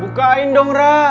bukain dong ra